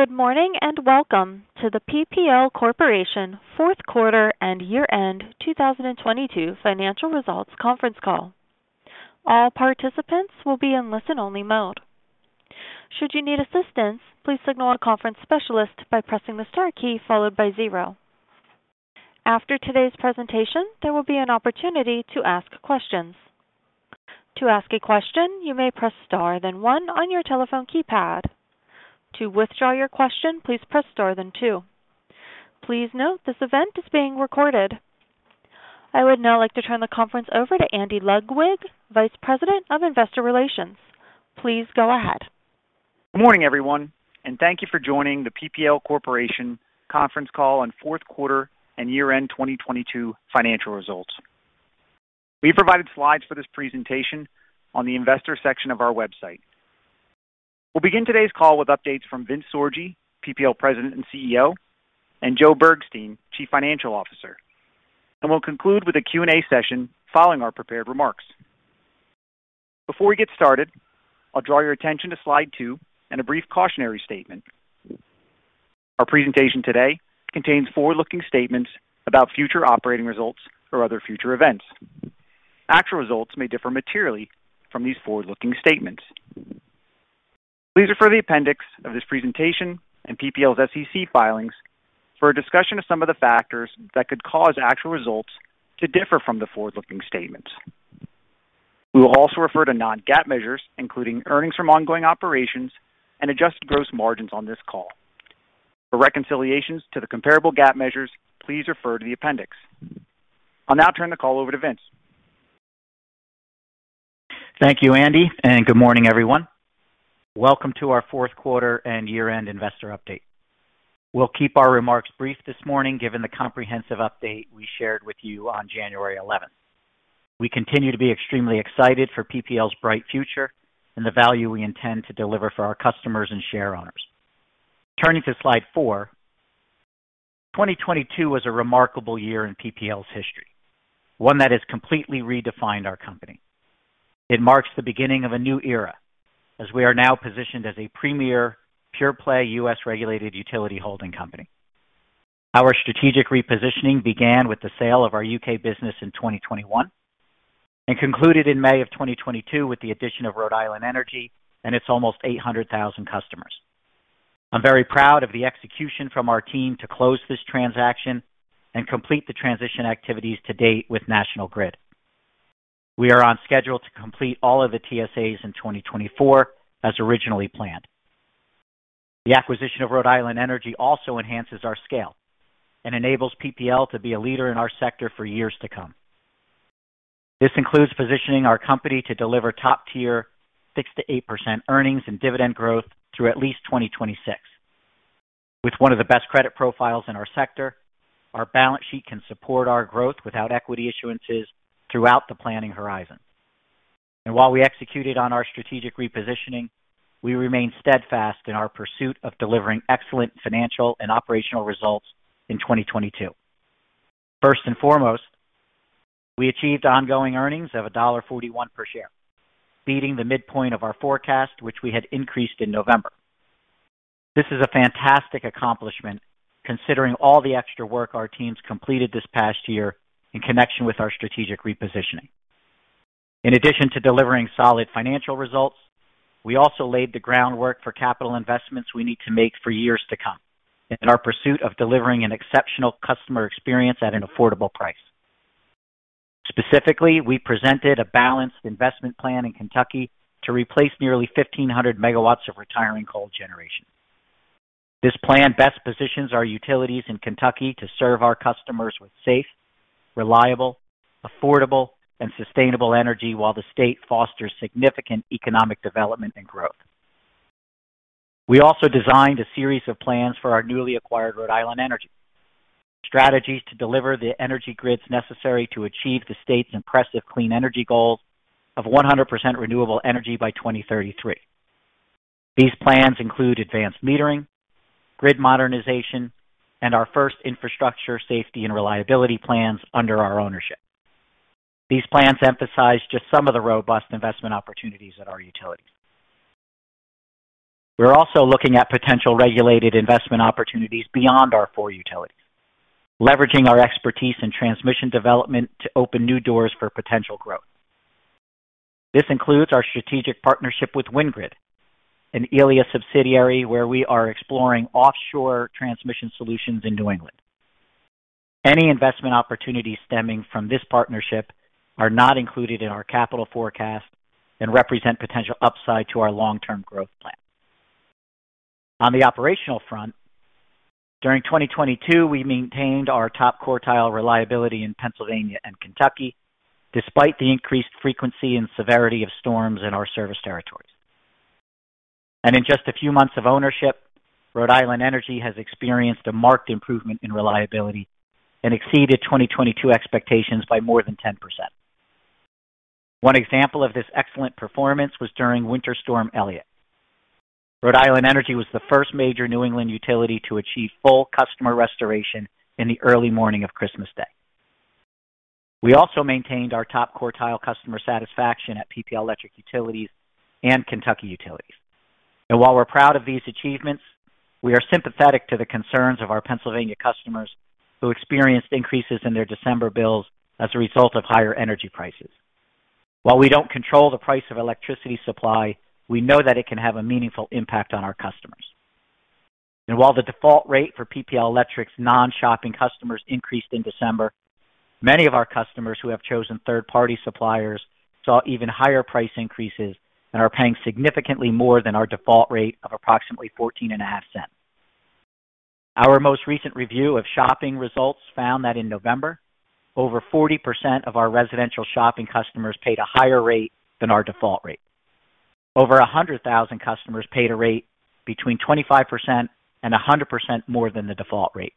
Good morning, welcome to the PPL Corporation Fourth Quarter and Year End 2022 Financial Results Conference Call. All participants will be in listen-only mode. Should you need assistance, please signal a conference specialist by pressing the star key followed by zero. After today's presentation, there will be an opportunity to ask questions. To ask a question, you may press Star then one on your telephone keypad. To withdraw your question, please press Star then two. Please note this event is being recorded. I would now like to turn the conference over to Andy Ludwig, Vice President of Investor Relations. Please go ahead. Good morning, everyone, thank you for joining the PPL Corporation conference call on fourth quarter and year-end 2022 financial results. We provided slides for this presentation on the investor section of our website. We'll begin today's call with updates from Vince Sorgi, PPL President and CEO, and Joe Bergstein, Chief Financial Officer, and we'll conclude with a Q&A session following our prepared remarks. Before we get started, I'll draw your attention to slide 2 and a brief cautionary statement. Our presentation today contains forward-looking statements about future operating results or other future events. Actual results may differ materially from these forward-looking statements. Please refer to the appendix of this presentation and PPL's SEC filings for a discussion of some of the factors that could cause actual results to differ from the forward-looking statements. We will also refer to non-GAAP measures, including earnings from ongoing operations and adjusted gross margins, on this call. For reconciliations to the comparable GAAP measures, please refer to the appendix. I'll now turn the call over to Vince. Thank you, Andy, and good morning, everyone. Welcome to our fourth quarter and year-end investor update. We'll keep our remarks brief this morning given the comprehensive update we shared with you on January 11th. We continue to be extremely excited for PPL's bright future and the value we intend to deliver for our customers and share owners. Turning to slide 4. 2022 was a remarkable year in PPL's history, one that has completely redefined our company. It marks the beginning of a new era as we are now positioned as a premier pure-play U.S. regulated utility holding company. Our strategic repositioning began with the sale of our U.K. business in 2021 and concluded in May of 2022 with the addition of Rhode Island Energy and its almost 800,000 customers. I'm very proud of the execution from our team to close this transaction and complete the transition activities to date with National Grid. We are on schedule to complete all of the TSAs in 2024 as originally planned. The acquisition of Rhode Island Energy also enhances our scale and enables PPL to be a leader in our sector for years to come. This includes positioning our company to deliver top-tier 6%-8% earnings and dividend growth through at least 2026. With one of the best credit profiles in our sector, our balance sheet can support our growth without equity issuances throughout the planning horizon. While we executed on our strategic repositioning, we remain steadfast in our pursuit of delivering excellent financial and operational results in 2022. First and foremost, we achieved ongoing earnings of $1.41 per share, beating the midpoint of our forecast, which we had increased in November. This is a fantastic accomplishment considering all the extra work our teams completed this past year in connection with our strategic repositioning. In addition to delivering solid financial results, we also laid the groundwork for capital investments we need to make for years to come in our pursuit of delivering an exceptional customer experience at an affordable price. Specifically, we presented a balanced investment plan in Kentucky to replace nearly 1,500 megawatts of retiring coal generation. This plan best positions our utilities in Kentucky to serve our customers with safe, reliable, affordable, and sustainable energy while the state fosters significant economic development and growth. We also designed a series of plans for our newly acquired Rhode Island Energy. Strategies to deliver the energy grids necessary to achieve the state's impressive clean energy goals of 100% renewable energy by 2033. These plans include advanced metering, grid modernization, and our first infrastructure safety and reliability plans under our ownership. These plans emphasize just some of the robust investment opportunities at our utilities. We're also looking at potential regulated investment opportunities beyond our 4 utilities, leveraging our expertise in transmission development to open new doors for potential growth. This includes our strategic partnership with WindGrid, an Elia subsidiary, where we are exploring offshore transmission solutions in New England. Any investment opportunities stemming from this partnership are not included in our capital forecast and represent potential upside to our long-term growth plan. On the operational front, during 2022, we maintained our top quartile reliability in Pennsylvania and Kentucky despite the increased frequency and severity of storms in our service territories. In just a few months of ownership, Rhode Island Energy has experienced a marked improvement in reliability and exceeded 2022 expectations by more than 10%. One example of this excellent performance was during Winter Storm Elliott. Rhode Island Energy was the first major New England utility to achieve full customer restoration in the early morning of Christmas Day. We also maintained our top quartile customer satisfaction at PPL Electric Utilities and Kentucky Utilities. While we're proud of these achievements, we are sympathetic to the concerns of our Pennsylvania customers who experienced increases in their December bills as a result of higher energy prices. While we don't control the price of electricity supply, we know that it can have a meaningful impact on our customers. While the default rate for PPL Electric Utilities' non-shopping customers increased in December, many of our customers who have chosen third-party suppliers saw even higher price increases and are paying significantly more than our default rate of approximately fourteen and a half cents. Our most recent review of shopping results found that in November, over 40% of our residential shopping customers paid a higher rate than our default rate. Over 100,000 customers paid a rate between 25% and 100% more than the default rate,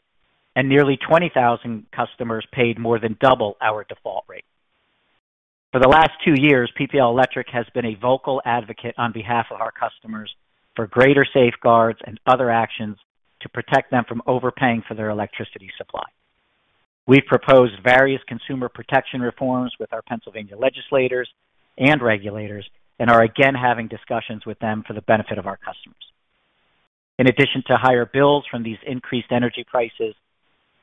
and nearly 20,000 customers paid more than double our default rate. For the last two years, PPL Electric has been a vocal advocate on behalf of our customers for greater safeguards and other actions to protect them from overpaying for their electricity supply. We've proposed various consumer protection reforms with our Pennsylvania legislators and regulators and are again having discussions with them for the benefit of our customers. In addition to higher bills from these increased energy prices,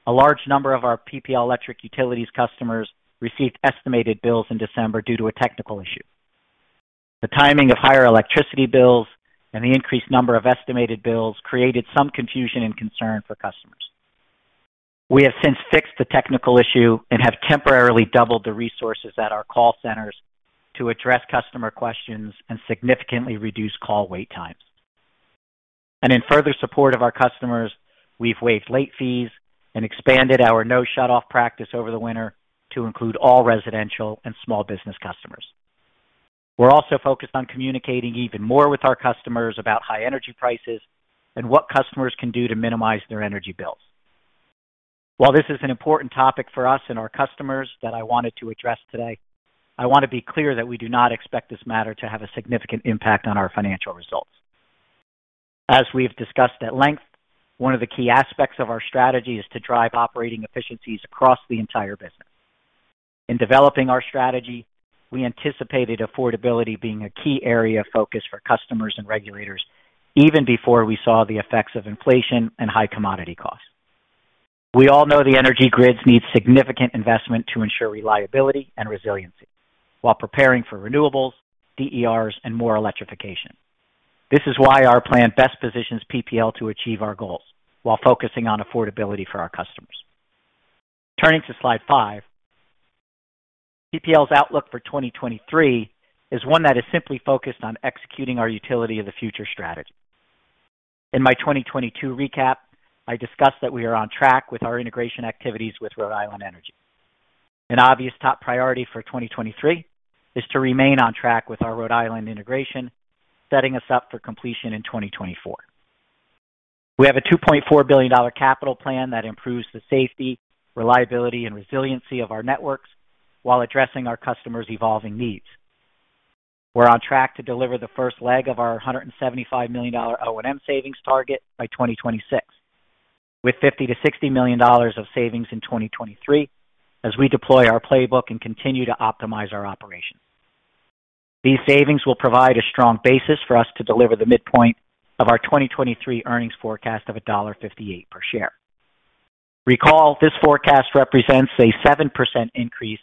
a large number of our PPL Electric Utilities customers received estimated bills in December due to a technical issue. The timing of higher electricity bills and the increased number of estimated bills created some confusion and concern for customers. We have since fixed the technical issue and have temporarily doubled the resources at our call centers to address customer questions and significantly reduce call wait times. In further support of our customers, we've waived late fees and expanded our no shut-off practice over the winter to include all residential and small business customers. We're also focused on communicating even more with our customers about high energy prices and what customers can do to minimize their energy bills. While this is an important topic for us and our customers that I wanted to address today, I want to be clear that we do not expect this matter to have a significant impact on our financial results. As we've discussed at length, one of the key aspects of our strategy is to drive operating efficiencies across the entire business. In developing our strategy, we anticipated affordability being a key area of focus for customers and regulators even before we saw the effects of inflation and high commodity costs. We all know the energy grids need significant investment to ensure reliability and resiliency while preparing for renewables, DERs, and more electrification. This is why our plan best positions PPL to achieve our goals while focusing on affordability for our customers. Turning to slide five, PPL's outlook for 2023 is one that is simply focused on executing our Utility of the Future strategy. In my 2022 recap, I discussed that we are on track with our integration activities with Rhode Island Energy. An obvious top priority for 2023 is to remain on track with our Rhode Island integration, setting us up for completion in 2024. We have a $2.4 billion capital plan that improves the safety, reliability, and resiliency of our networks while addressing our customers' evolving needs. We're on track to deliver the first leg of our $175 million O&M savings target by 2026, with $50 million-$60 million of savings in 2023 as we deploy our playbook and continue to optimize our operations. These savings will provide a strong basis for us to deliver the midpoint of our 2023 earnings forecast of $1.58 per share. Recall, this forecast represents a 7% increase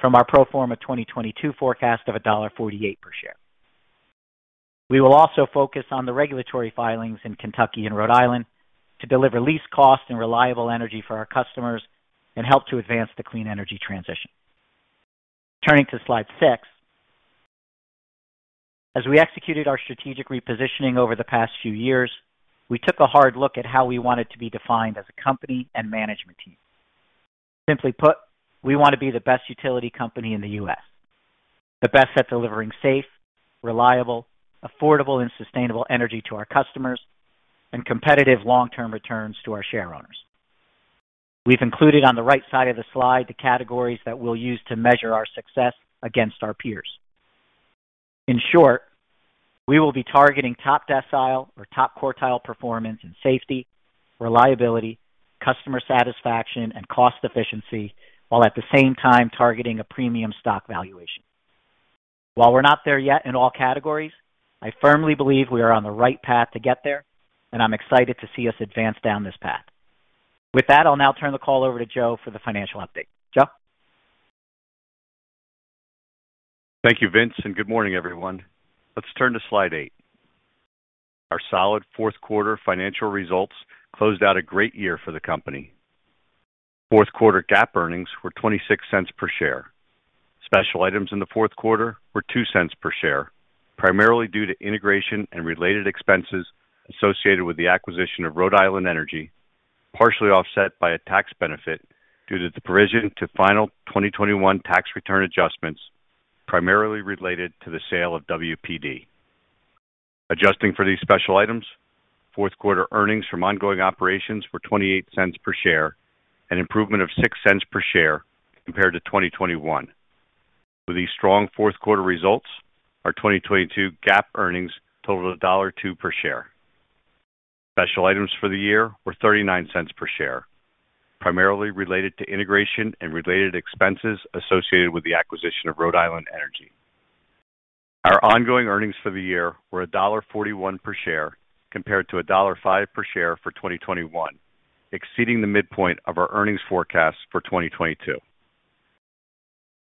from our pro forma 2022 forecast of $1.48 per share. We will also focus on the regulatory filings in Kentucky and Rhode Island to deliver least cost and reliable energy for our customers and help to advance the clean energy transition. Turning to slide 6. As we executed our strategic repositioning over the past few years, we took a hard look at how we wanted to be defined as a company and management team. Simply put, we want to be the best utility company in the U.S. The best at delivering safe, reliable, affordable, and sustainable energy to our customers and competitive long-term returns to our shareowners. We've included on the right side of the slide the categories that we'll use to measure our success against our peers. In short, we will be targeting top decile or top quartile performance in safety, reliability, customer satisfaction, and cost efficiency, while at the same time targeting a premium stock valuation. While we're not there yet in all categories, I firmly believe we are on the right path to get there, and I'm excited to see us advance down this path. With that, I'll now turn the call over to Joe for the financial update. Joe? Thank you, Vince, good morning, everyone. Let's turn to slide 8. Our solid fourth quarter financial results closed out a great year for the company. Fourth quarter GAAP earnings were $0.26 per share. Special items in the fourth quarter were $0.02 per share, primarily due to integration and related expenses associated with the acquisition of Rhode Island Energy, partially offset by a tax benefit due to the provision to final 2021 tax return adjustments, primarily related to the sale of WPD. Adjusting for these special items, fourth quarter earnings from ongoing operations were $0.28 per share, an improvement of $0.06 per share compared to 2021. With these strong fourth quarter results, our 2022 GAAP earnings totaled $1.02 per share. Special items for the year were $0.39 per share, primarily related to integration and related expenses associated with the acquisition of Rhode Island Energy. Our ongoing earnings for the year were $1.41 per share compared to $1.05 per share for 2021, exceeding the midpoint of our earnings forecast for 2022.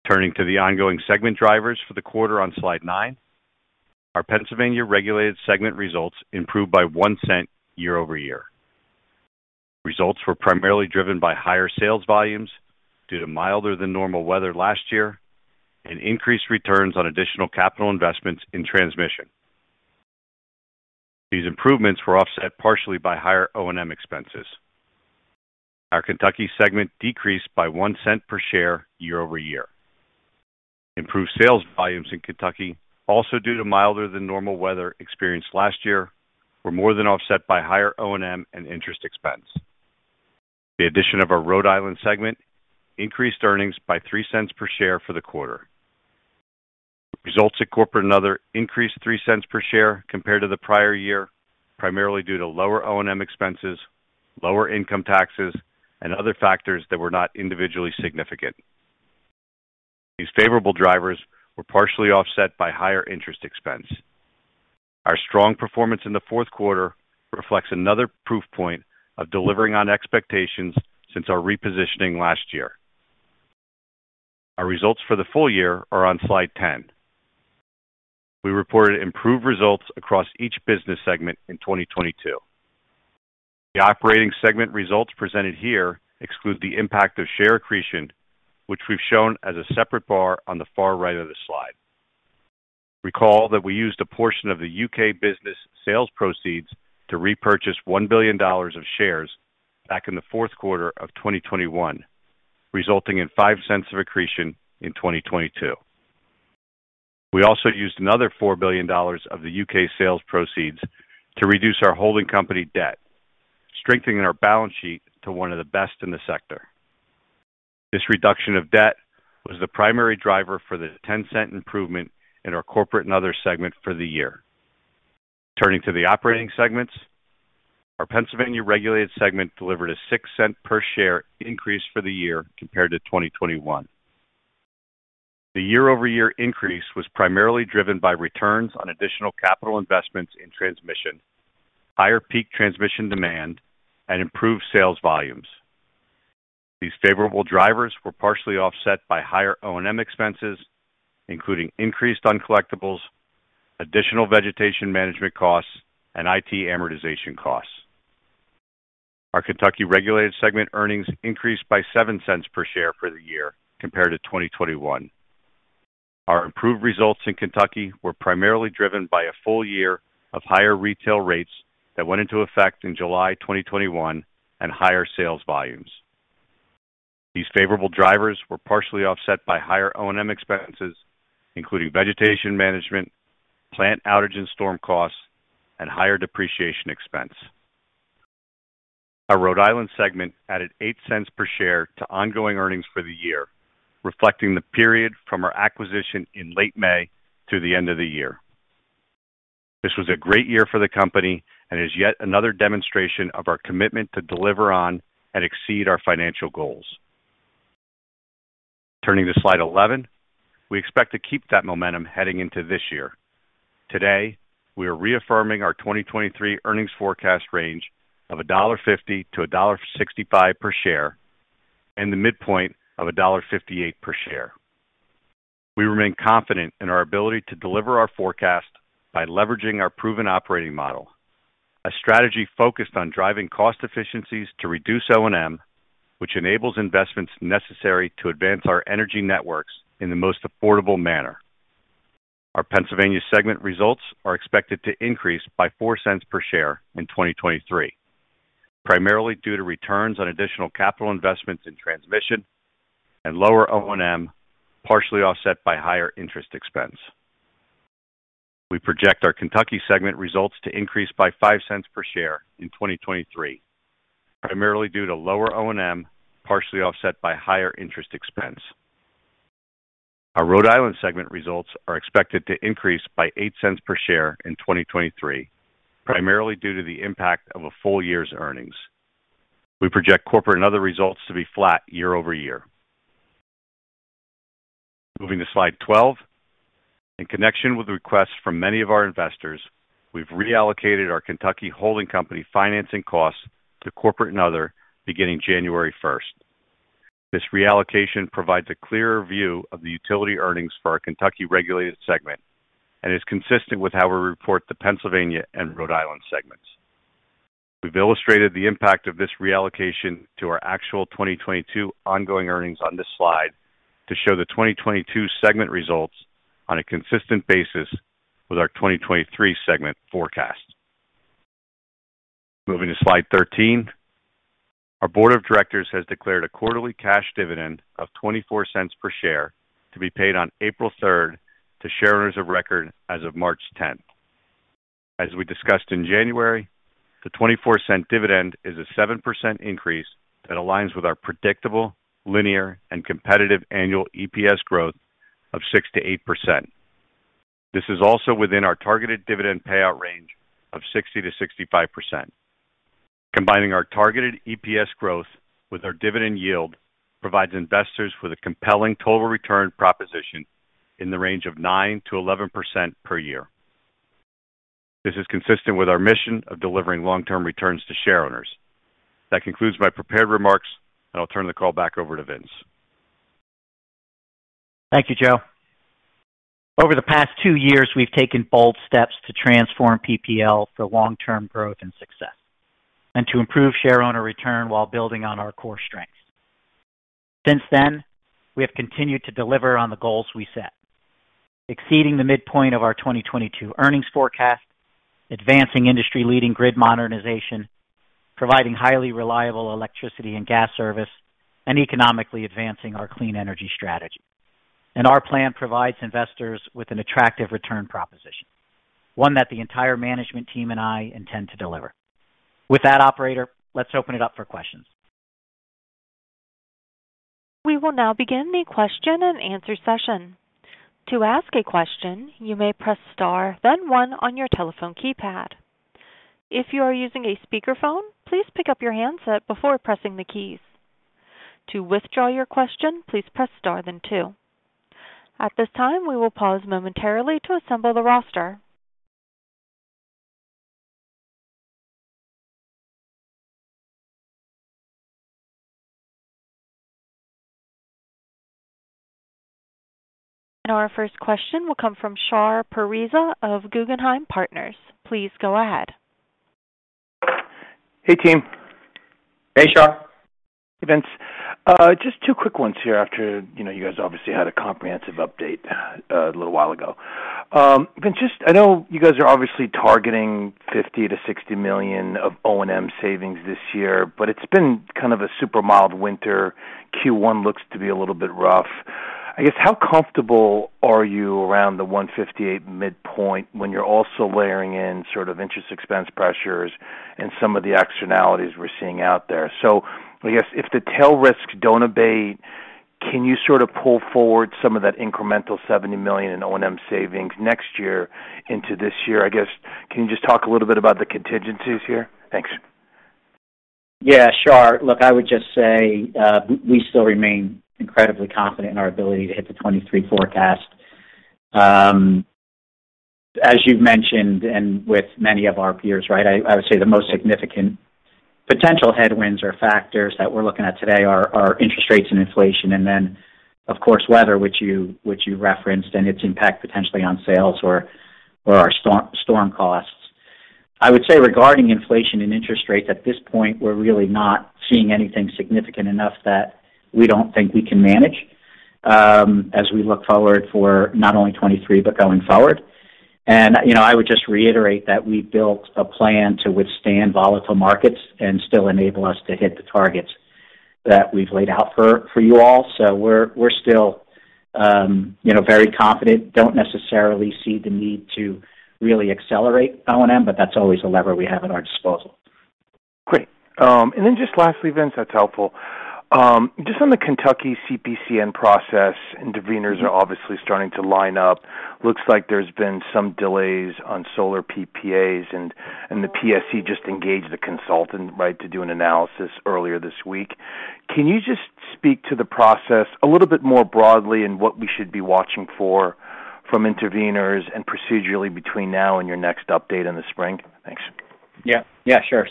Turning to the ongoing segment drivers for the quarter on slide 9. Our Pennsylvania regulated segment results improved by 1 cent year-over-year. Results were primarily driven by higher sales volumes due to milder than normal weather last year and increased returns on additional capital investments in transmission. These improvements were offset partially by higher O&M expenses. Our Kentucky segment decreased by 1 cent per share year-over-year. Improved sales volumes in Kentucky, also due to milder than normal weather experienced last year, were more than offset by higher O&M and interest expense. The addition of our Rhode Island segment increased earnings by three cents per share for the fourth quarter. Results at Corporate and Other increased three cents per share compared to the prior year, primarily due to lower O&M expenses, lower income taxes, and other factors that were not individually significant. These favorable drivers were partially offset by higher interest expense. Our strong performance in the fourth quarter reflects another proof point of delivering on expectations since our repositioning last year. Our results for the full year are on slide 10. We reported improved results across each business segment in 2022. The operating segment results presented here exclude the impact of share accretion, which we've shown as a separate bar on the far right of the slide. Recall that we used a portion of the U.K. business sales proceeds to repurchase $1 billion of shares back in the fourth quarter of 2021, resulting in $0.05 of accretion in 2022. We also used another $4 billion of the U.K. sales proceeds to reduce our holding company debt, strengthening our balance sheet to one of the best in the sector. This reduction of debt was the primary driver for the $0.10 improvement in our Corporate and Other segment for the year. Turning to the operating segments. Our Pennsylvania regulated segment delivered a $0.06 per share increase for the year compared to 2021. The year-over-year increase was primarily driven by returns on additional capital investments in transmission, higher peak transmission demand, and improved sales volumes. These favorable drivers were partially offset by higher O&M expenses, including increased uncollectibles, additional vegetation management costs, and IT amortization costs. Our Kentucky regulated segment earnings increased by $0.07 per share for the year compared to 2021. Our improved results in Kentucky were primarily driven by a full year of higher retail rates that went into effect in July 2021 and higher sales volumes. These favorable drivers were partially offset by higher O&M expenses, including vegetation management, plant outage and storm costs, and higher depreciation expense. Our Rhode Island segment added $0.08 per share to ongoing earnings for the year, reflecting the period from our acquisition in late May through the end of the year. This was a great year for the company and is yet another demonstration of our commitment to deliver on and exceed our financial goals. Turning to slide 11. We expect to keep that momentum heading into this year. Today, we are reaffirming our 2023 earnings forecast range of $1.50-$1.65 per share and the midpoint of $1.58 per share. We remain confident in our ability to deliver our forecast by leveraging our proven operating model, a strategy focused on driving cost efficiencies to reduce O&M, which enables investments necessary to advance our energy networks in the most affordable manner. Our Pennsylvania segment results are expected to increase by $0.04 per share in 2023, primarily due to returns on additional capital investments in transmission and lower O&M, partially offset by higher interest expense. We project our Kentucky segment results to increase by $0.05 per share in 2023, primarily due to lower O&M, partially offset by higher interest expense. Our Rhode Island segment results are expected to increase by $0.08 per share in 2023, primarily due to the impact of a full year's earnings. We project Corporate and Other results to be flat year-over-year. Moving to slide 12. In connection with requests from many of our investors, we've reallocated our Kentucky holding company financing costs to Corporate and Other beginning January 1st. This reallocation provides a clearer view of the utility earnings for our Kentucky regulated segment and is consistent with how we report the Pennsylvania and Rhode Island segments. We've illustrated the impact of this reallocation to our actual 2022 ongoing earnings on this slide to show the 2022 segment results on a consistent basis with our 2023 segment forecast. Moving to slide 13. Our board of directors has declared a quarterly cash dividend of $0.24 per share to be paid on April 3rd to shareholders of record as of March 10th. As we discussed in January, the $0.24 dividend is a 7% increase that aligns with our predictable, linear, and competitive annual EPS growth of 6%-8%. This is also within our targeted dividend payout range of 60%-65%. Combining our targeted EPS growth with our dividend yield provides investors with a compelling total return proposition in the range of 9%-11% per year. This is consistent with our mission of delivering long-term returns to shareowners. That concludes my prepared remarks, and I'll turn the call back over to Vince. Thank you, Joe. Over the past two years, we've taken bold steps to transform PPL for long-term growth and success and to improve shareowner return while building on our core strengths. Since then, we have continued to deliver on the goals we set, exceeding the midpoint of our 2022 earnings forecast, advancing industry-leading grid modernization, providing highly reliable electricity and gas service, and economically advancing our clean energy strategy. Our plan provides investors with an attractive return proposition, one that the entire management team and I intend to deliver. With that, operator, let's open it up for questions. We will now begin the question and answer session. To ask a question, you may press Star, then 1 on your telephone keypad. If you are using a speakerphone, please pick up your handset before pressing the keys. To withdraw your question, please press Star, then 2. At this time, we will pause momentarily to assemble the roster. Our first question will come from Shar Pourreza of Guggenheim Partners. Please go ahead. Hey, team. Hey, Shar. Hey, Vince. Just two quick ones here after, you know, you guys obviously had a comprehensive update a little while ago. Just I know you guys are obviously targeting $50 million-$60 million of O&M savings this year, it's been kind of a super mild winter. Q1 looks to be a little bit rough. I guess how comfortable are you around the 158 midpoint when you're also layering in sort of interest expense pressures and some of the externalities we're seeing out there? I guess if the tail risks don't abate, can you sort of pull forward some of that incremental $70 million in O&M savings next year into this year? I guess, can you just talk a little bit about the contingencies here? Thanks. Shar, look, I would just say, we still remain incredibly confident in our ability to hit the 23 forecast. As you've mentioned, with many of our peers, right? I would say the most significant potential headwinds or factors that we're looking at today are interest rates and inflation, of course, weather, which you referenced and its impact potentially on sales or storm costs. I would say regarding inflation and interest rates, at this point, we're really not seeing anything significant enough that we don't think we can manage, as we look forward for not only 23, but going forward. You know, I would just reiterate that we built a plan to withstand volatile markets and still enable us to hit the targets that we've laid out for you all. We're, we're still, you know, very confident, don't necessarily see the need to really accelerate O&M, but that's always a lever we have at our disposal. Great. Just lastly, Vince, that's helpful. Just on the Kentucky CPCN process, interveners are obviously starting to line up. Looks like there's been some delays on solar PPAs, and the PSC just engaged a consultant, right, to do an analysis earlier this week. Can you just speak to the process a little bit more broadly and what we should be watching for from interveners and procedurally between now and your next update in the spring? Thanks. Yeah. Yeah, sure.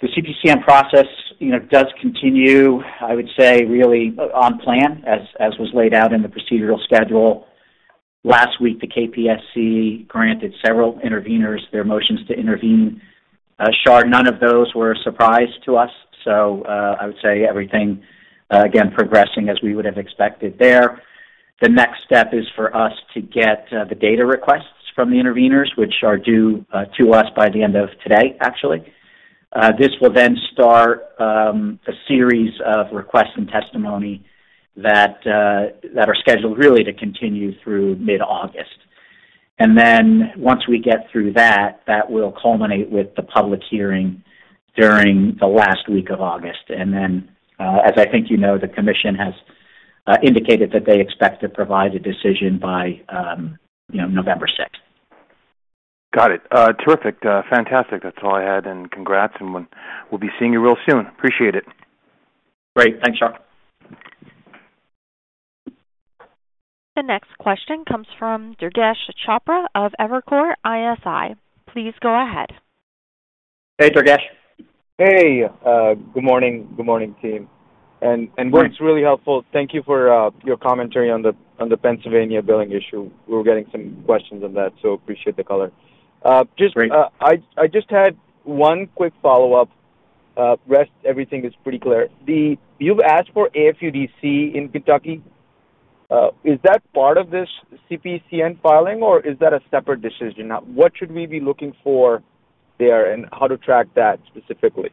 The CPCN process, you know, does continue, I would say, really on plan, as was laid out in the procedural schedule. Last week, the KPSC granted several interveners their motions to intervene. Shar, none of those were a surprise to us, I would say everything, again progressing as we would have expected there. The next step is for us to get the data requests from the interveners, which are due to us by the end of today, actually. This will then start a series of requests and testimony that are scheduled really to continue through mid-August. Once we get through that will culminate with the public hearing during the last week of August. As I think you know, the commission has indicated that they expect to provide a decision by, you know, November sixth. Got it. terrific. fantastic. That's all I had. Congrats, we'll be seeing you real soon. Appreciate it. Great. Thanks, Shar. The next question comes from Durgesh Chopra of Evercore ISI. Please go ahead. Hey, Durgesh. Hey, good morning. Good morning, team. Vince, really helpful. Thank you for your commentary on the Pennsylvania billing issue. We were getting some questions on that. Appreciate the color. Great. I just had one quick follow-up. Rest everything is pretty clear. You've asked for AFUDC in Kentucky. Is that part of this CPCN filing, or is that a separate decision? What should we be looking for there and how to track that specifically?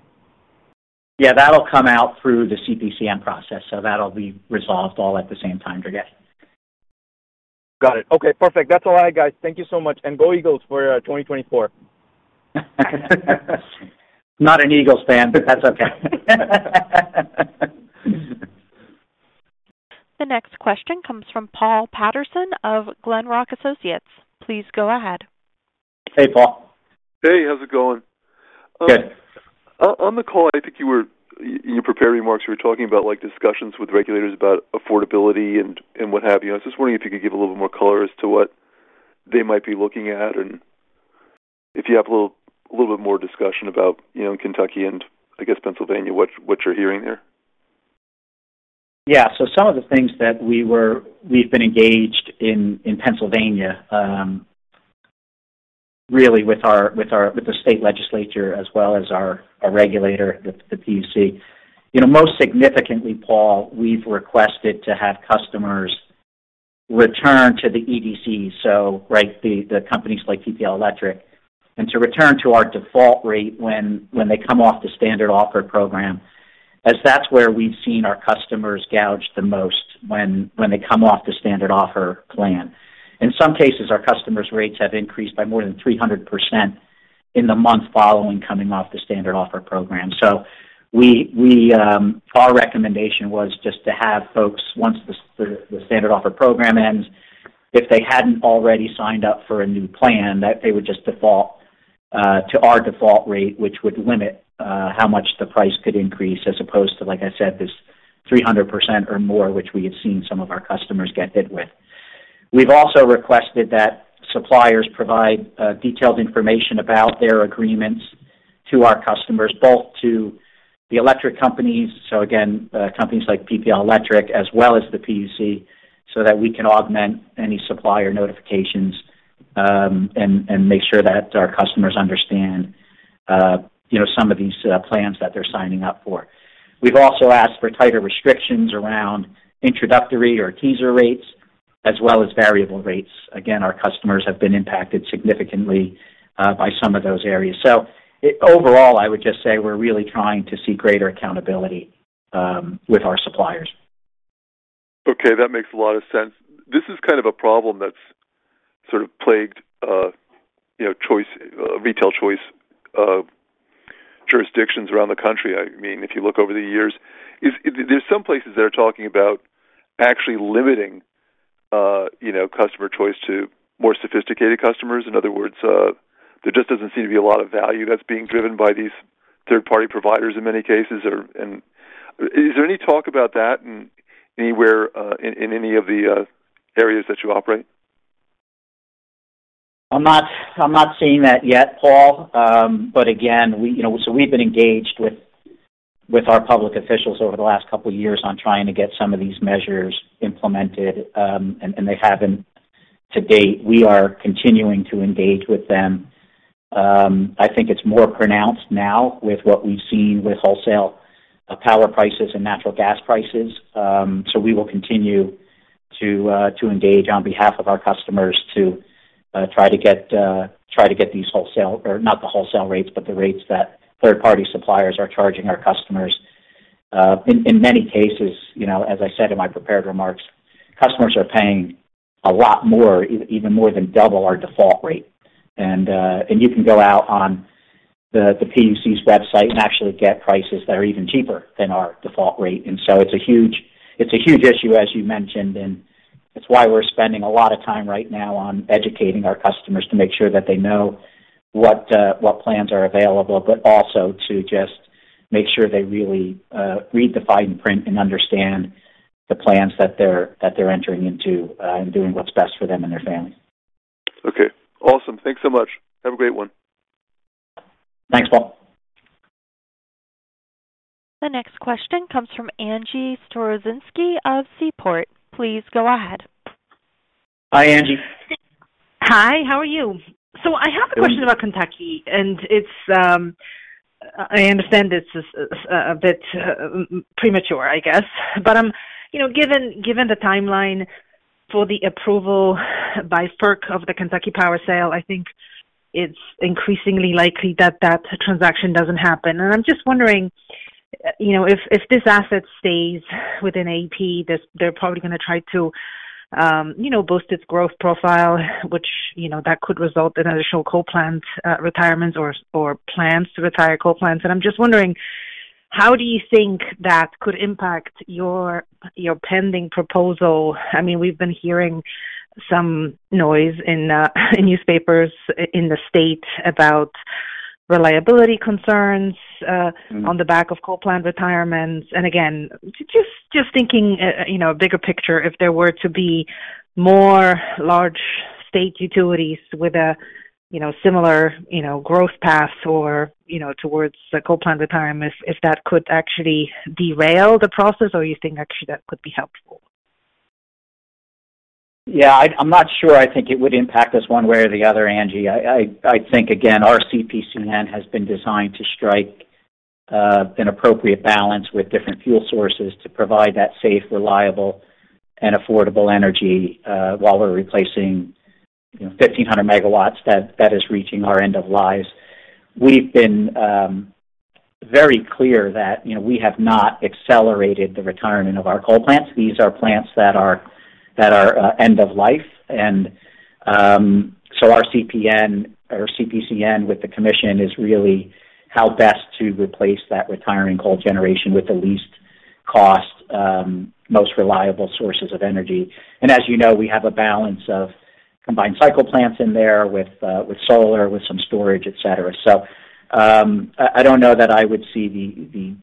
Yeah, that'll come out through the CPCN process. That'll be resolved all at the same time, Durgesh. Got it. Okay, perfect. That's all I had, guys. Thank you so much. Go Eagles for 2024. Not an Eagles fan, but that's okay. The next question comes from Paul Patterson of Glenrock Associates. Please go ahead. Hey, Paul. Hey, how's it going? Good. On the call, I think you were, in your prepared remarks, you were talking about, like, discussions with regulators about affordability and what have you. I was just wondering if you could give a little more color as to what they might be looking at, and if you have a little bit more discussion about, you know, in Kentucky and I guess Pennsylvania, what you're hearing there? Yeah. Some of the things that we've been engaged in Pennsylvania, really with our state legislature as well as our regulator, the PUC. You know, most significantly, Paul, we've requested to have customers return to the EDC. Right, the companies like PPL Electric, and to return to our default rate when they come off the Standard Offer Program, as that's where we've seen our customers gouged the most when they come off the Standard Offer Program. In some cases, our customers' rates have increased by more than 300% in the month following coming off the Standard Offer Program. Our recommendation was just to have folks, once the Standard Offer Program ends, if they hadn't already signed up for a new plan, that they would just default to our default rate, which would limit how much the price could increase as opposed to, like I said, this 300% or more, which we have seen some of our customers get hit with. We've also requested that suppliers provide detailed information about their agreements to our customers, both to the electric companies, so again, companies like PPL Electric as well as the PUC, so that we can augment any supplier notifications, and make sure that our customers understand, you know, some of these plans that they're signing up for. We've also asked for tighter restrictions around introductory or teaser rates as well as variable rates. Our customers have been impacted significantly by some of those areas. Overall, I would just say we're really trying to see greater accountability with our suppliers. Okay. That makes a lot of sense. This is kind of a problem that's sort of plagued, you know, choice, retail choice, jurisdictions around the country. I mean, if you look over the years. There's some places that are talking about actually limiting, you know, customer choice to more sophisticated customers. In other words, there just doesn't seem to be a lot of value that's being driven by these third-party providers in many cases. Is there any talk about that anywhere, in any of the, areas that you operate? I'm not, I'm not seeing that yet, Paul. Again, we, you know, so we've been engaged with our public officials over the last couple years on trying to get some of these measures implemented, and they haven't to date. We are continuing to engage with them. I think it's more pronounced now with what we've seen with wholesale power prices and natural gas prices. We will continue to engage on behalf of our customers to try to get, try to get these wholesale or not the wholesale rates, but the rates that third-party suppliers are charging our customers. In many cases, you know, as I said in my prepared remarks, customers are paying a lot more, even more than double our default rate. You can go out on the PUC's website and actually get prices that are even cheaper than our default rate. It's a huge issue, as you mentioned, and it's why we're spending a lot of time right now on educating our customers to make sure that they know what plans are available, but also to just make sure they really read the fine print and understand the plans that they're, that they're entering into, and doing what's best for them and their family. Okay. Awesome. Thanks so much. Have a great one. Thanks, Paul. The next question comes from Angie Storozynski of Seaport. Please go ahead. Hi, Angie. Hi, how are you? I have a question about Kentucky, and it's, I understand it's a bit premature, I guess. Given, you know, the timeline for the approval by FERC of the Kentucky Power sale, I think it's increasingly likely that that transaction doesn't happen. I'm just wondering, you know, if this asset stays within AP, they're probably gonna try to, you know, boost its growth profile, which, you know, that could result in additional coal plant retirements or plans to retire coal plants. I'm just wondering, how do you think that could impact your pending proposal? I mean, we've been hearing some noise in newspapers in the state about reliability concerns. Mm-hmm. On the back of coal plant retirements. Again, just thinking, you know, bigger picture, if there were to be more large state utilities with a, you know, similar, you know, growth paths or, you know, towards a coal plant retirement, if that could actually derail the process or you think actually that could be helpful? Yeah. I'm not sure I think it would impact us one way or the other, Angie. I think, again, our CPCN has been designed to strike an appropriate balance with different fuel sources to provide that safe, reliable, and affordable energy while we're replacing, you know, 1,500 megawatts that is reaching our end of lives. We've been very clear that, you know, we have not accelerated the retirement of our coal plants. These are plants that are end of life. Our CPCN or CPCN with the commission is really how best to replace that retiring coal generation with the least cost, most reliable sources of energy. As you know, we have a balance of combined cycle plants in there with solar, with some storage, et cetera. I don't know that I would see the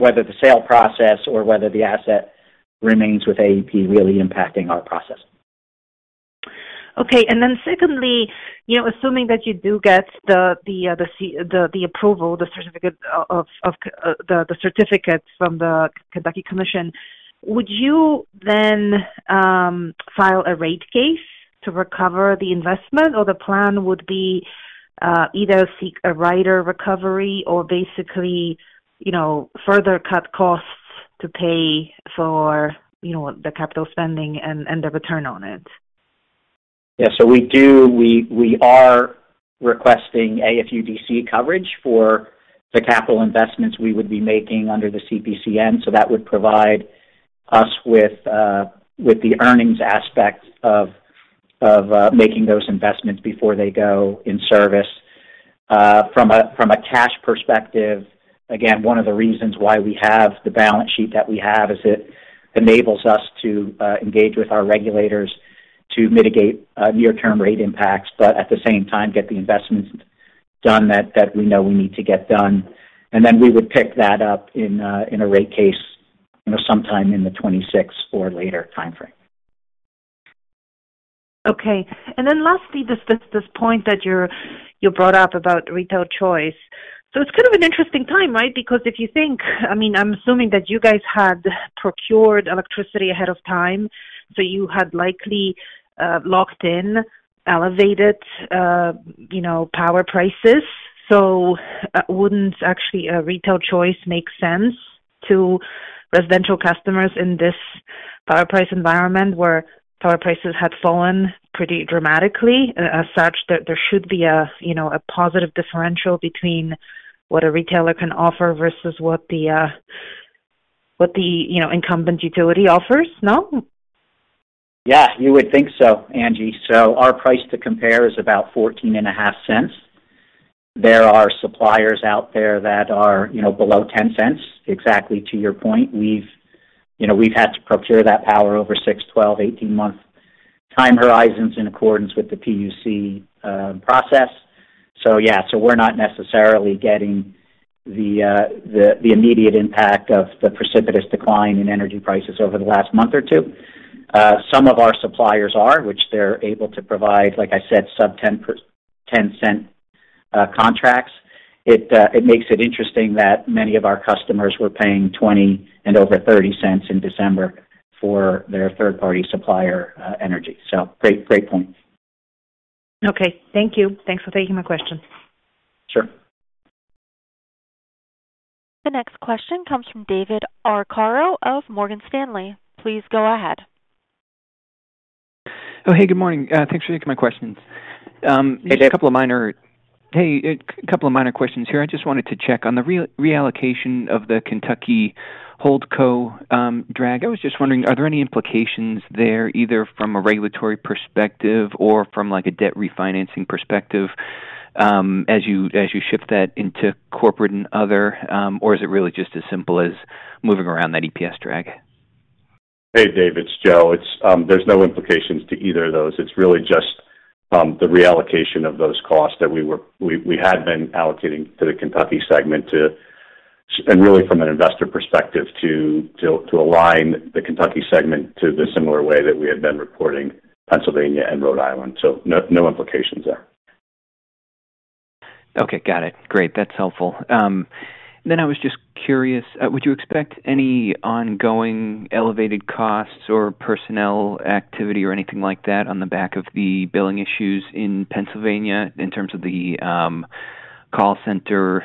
whether the sale process or whether the asset remains with AEP really impacting our process. Secondly, you know, assuming that you do get the approval, the certificates from the Kentucky Commission, would you then file a rate case to recover the investment, or would the plan be either seek a rider recovery or basically, you know, further cut costs to pay for, you know, the capital spending and the return on it? We do. We are requesting AFUDC coverage for the capital investments we would be making under the CPCN. That would provide us with the earnings aspect of making those investments before they go in service. From a cash perspective, again, one of the reasons why we have the balance sheet that we have is it enables us to engage with our regulators to mitigate near term rate impacts, but at the same time, get the investments done that we know we need to get done. Then we would pick that up in a rate case, you know, sometime in the 26 or later timeframe. Okay. Lastly, this point that you brought up about retail choice. It's kind of an interesting time, right? Because if you think, I mean, I'm assuming that you guys had procured electricity ahead of time, so you had likely locked in elevated, you know, power prices. Wouldn't actually a retail choice make sense to residential customers in this power price environment where power prices had fallen pretty dramatically? As such, there should be a, you know, a positive differential between what a retailer can offer versus what the, you know, incumbent utility offers, no? You would think so, Angie. Our price to compare is about $0.145. There are suppliers out there that are, you know, below $0.10. Exactly to your point. We've, you know, we've had to procure that power over 6, 12, 18-month time horizons in accordance with the PUC process. Yeah. We're not necessarily getting the immediate impact of the precipitous decline in energy prices over the last month or two. Some of our suppliers are, which they're able to provide, like I said, sub $0.10 contracts. It makes it interesting that many of our customers were paying $0.20 and over $0.30 in December for their third-party supplier energy. Great, great point. Okay, thank you. Thanks for taking my question. Sure. The next question comes from David Arcaro of Morgan Stanley. Please go ahead. Oh, hey, good morning. Thanks for taking my questions. Hey, Dave. Just a couple of minor questions here. I just wanted to check. On the reallocation of the Kentucky holdco drag, I was just wondering, are there any implications there, either from a regulatory perspective or from, like, a debt refinancing perspective, as you shift that into corporate and other? Is it really just as simple as moving around that EPS drag? Hey, David, it's Joe. It's there's no implications to either of those. It's really just the reallocation of those costs that we had been allocating to the Kentucky segment to... Really from an investor perspective, to align the Kentucky segment to the similar way that we had been reporting Pennsylvania and Rhode Island. No implications there. Okay, got it. Great. That's helpful. I was just curious, would you expect any ongoing elevated costs or personnel activity or anything like that on the back of the billing issues in Pennsylvania in terms of the call center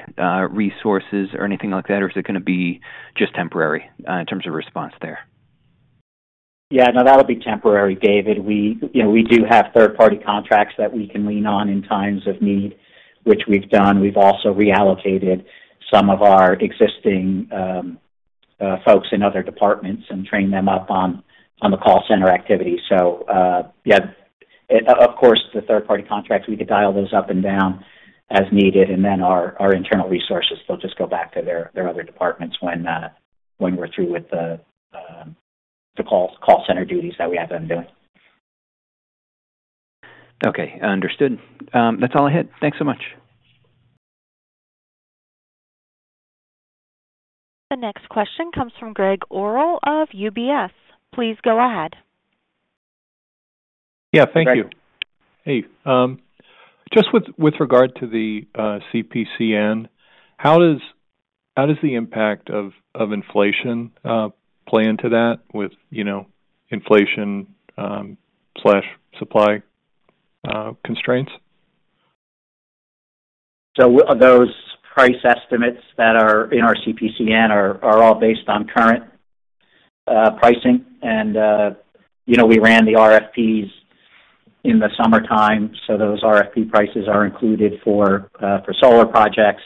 resources or anything like that? Or is it gonna be just temporary, in terms of response there? Yeah. No, that'll be temporary, David. We, you know, we do have third-party contracts that we can lean on in times of need, which we've done. We've also reallocated some of our existing folks in other departments and trained them up on the call center activity. Yeah, of course, the third-party contracts, we could dial those up and down as needed. Our internal resources, they'll just go back to their other departments when we're through with the call center duties that we have them doing. Okay, understood. That's all I had. Thanks so much. The next question comes from Gregg Orrill of UBS. Please go ahead. Yeah. Thank you. Greg. Hey. Just with regard to the CPCN, how does the impact of inflation play into that with, you know, inflation slash supply constraints? Those price estimates that are in our CPCN are all based on current pricing. You know, we ran the RFPs in the summertime. Those RFP prices are included for solar projects.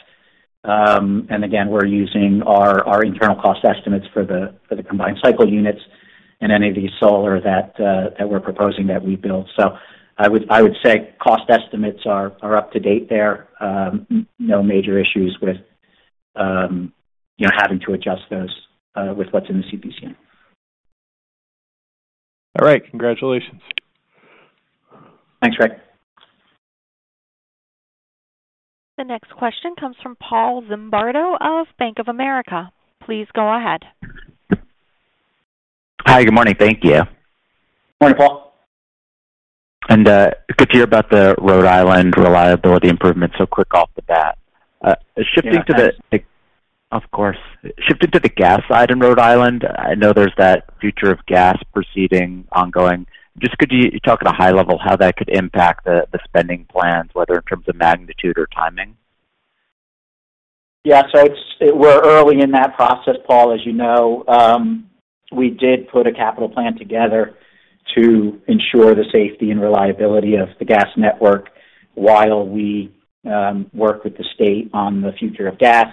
Again, we're using our internal cost estimates for the combined cycle units and any of these solar that we're proposing that we build. I would say cost estimates are up to date there. No major issues with, you know, having to adjust those with what's in the CPCN. All right. Congratulations. Thanks, Ray. The next question comes from Paul Zimbardo of Bank of America. Please go ahead. Hi. Good morning. Thank you. Morning, Paul. Good to hear about the Rhode Island reliability improvements so quick off the bat. Of course. Shifting to the gas side in Rhode Island, I know there's that future of gas proceeding ongoing. Just could you talk at a high level how that could impact the spending plans, whether in terms of magnitude or timing? We're early in that process, Paul, as you know. We did put a capital plan together to ensure the safety and reliability of the gas network while we work with the state on the future of gas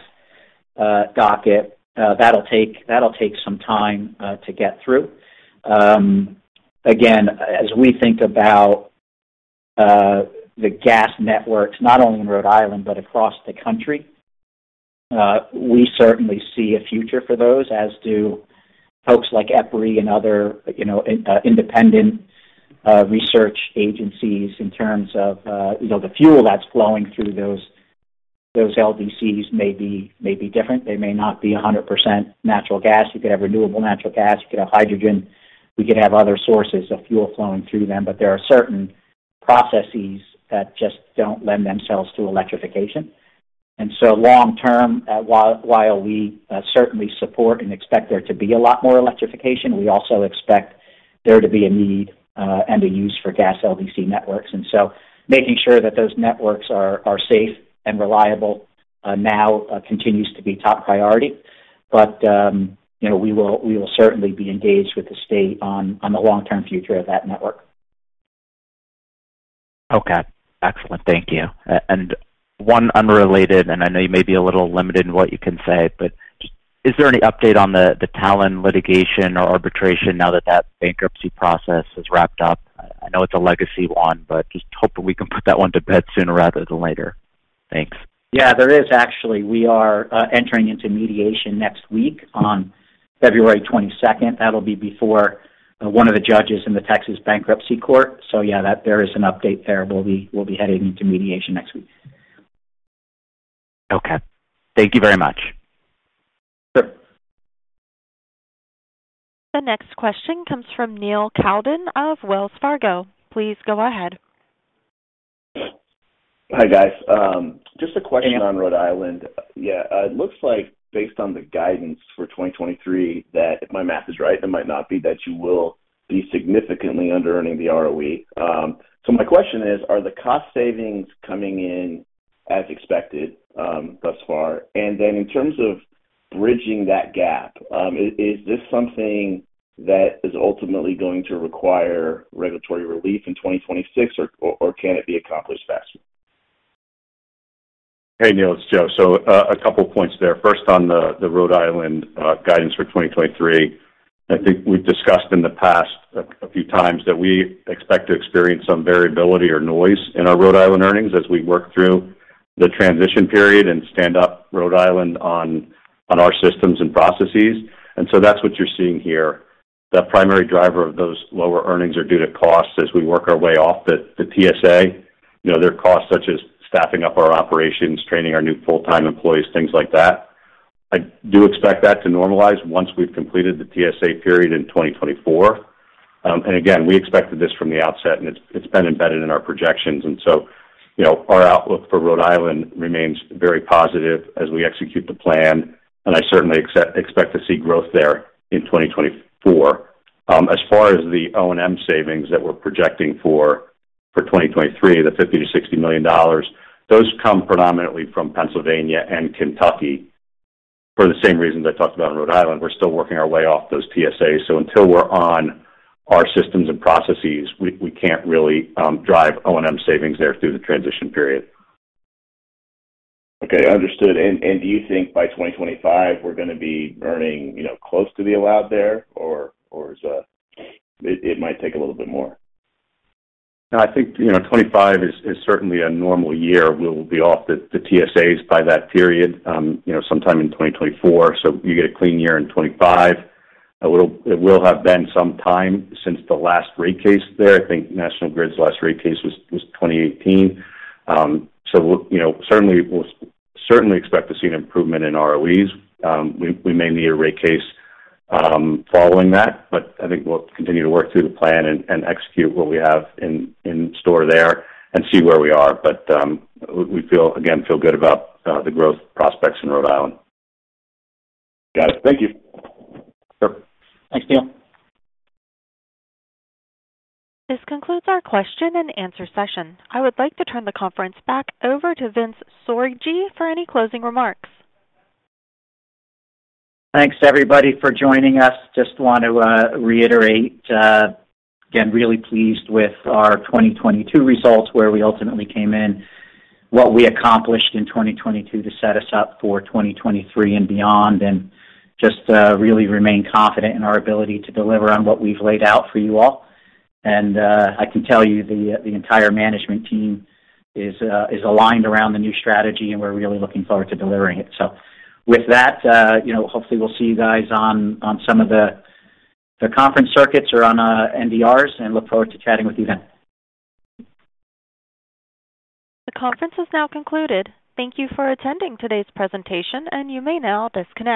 docket. That'll take some time to get through. Again, as we think about the gas networks, not only in Rhode Island, but across the country, we certainly see a future for those, as do folks like EPRI and other, you know, independent research agencies in terms of, you know, the fuel that's flowing through those LDCs may be different. They may not be a 100% natural gas. You could have renewable natural gas. You could have hydrogen. We could have other sources of fuel flowing through them. There are certain processes that just don't lend themselves to electrification. Long term, while we certainly support and expect there to be a lot more electrification, we also expect there to be a need and a use for gas LDC networks. Making sure that those networks are safe and reliable now continues to be top priority. You know, we will certainly be engaged with the state on the long-term future of that network. Okay. Excellent. Thank you. One unrelated, I know you may be a little limited in what you can say, but just is there any update on the Talen litigation or arbitration now that bankruptcy process is wrapped up? I know it's a legacy one, but just hoping we can put that one to bed sooner rather than later. Thanks. Yeah, there is actually. We are entering into mediation next week on February 22nd. That'll be before one of the judges in the Texas Bankruptcy Court. Yeah, there is an update there. We'll be heading into mediation next week. Okay. Thank you very much. Sure. The next question comes from Neil Kalton of Wells Fargo. Please go ahead. Hi, guys. Just a question on Rhode Island. Yeah, it looks like based on the guidance for 2023, that if my math is right, it might not be that you will be significantly underearning the ROE. My question is, are the cost savings coming in as expected, thus far? In terms of bridging that gap, is this something that is ultimately going to require regulatory relief in 2026 or can it be accomplished faster? Hey, Neil, it's Joe. A couple points there. First, on the Rhode Island guidance for 2023. I think we've discussed in the past a few times that we expect to experience some variability or noise in our Rhode Island earnings as we work through the transition period and stand up Rhode Island on our systems and processes. That's what you're seeing here. The primary driver of those lower earnings are due to costs as we work our way off the TSA. You know, there are costs such as staffing up our operations, training our new full-time employees, things like that. I do expect that to normalize once we've completed the TSA period in 2024. Again, we expected this from the outset, and it's been embedded in our projections. you know, our outlook for Rhode Island remains very positive as we execute the plan, and I certainly expect to see growth there in 2024. As far as the O&M savings that we're projecting for 2023, the $50 million-$60 million, those come predominantly from Pennsylvania and Kentucky for the same reasons I talked about in Rhode Island. We're still working our way off those TSAs. Until we're on our systems and processes, we can't really drive O&M savings there through the transition period. Okay, understood. Do you think by 2025 we're gonna be earning, you know, close to the allowed there or is it might take a little bit more? No, I think, you know, 25 is certainly a normal year. We'll be off the TSAs by that period, you know, sometime in 2024. You get a clean year in 25. It will have been some time since the last rate case there. I think National Grid's last rate case was 2018. You know, certainly, we'll certainly expect to see an improvement in ROEs. We may need a rate case following that, but I think we'll continue to work through the plan and execute what we have in store there and see where we are. We feel again, feel good about the growth prospects in Rhode Island. Got it. Thank you. Sure. Thanks, Neil. This concludes our question and answer session. I would like to turn the conference back over to Vince Sorgi for any closing remarks. Thanks everybody for joining us. Just want to reiterate again, really pleased with our 2022 results, where we ultimately came in, what we accomplished in 2022 to set us up for 2023 and beyond, and just really remain confident in our ability to deliver on what we've laid out for you all. I can tell you the entire management team is aligned around the new strategy, and we're really looking forward to delivering it. With that, you know, hopefully we'll see you guys on some of the conference circuits or on NDRs and look forward to chatting with you then. The conference is now concluded. Thank you for attending today's presentation. You may now disconnect.